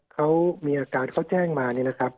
เขามีอาการเขาแจ้งมาเนี่ยนะครับ